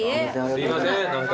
すいません何か。